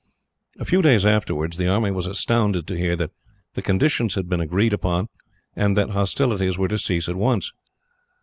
A few days afterwards, the army was astounded at hearing that the conditions had been agreed upon, and that hostilities were to cease at once.